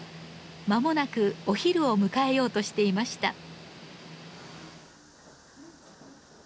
まもなくお昼を迎えようとしていました。